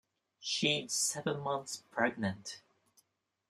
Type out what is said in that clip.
She is seven months pregnant.